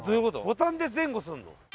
ボタンで前後するの？